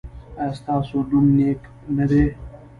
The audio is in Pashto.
ایا ستاسو نوم نیک نه دی؟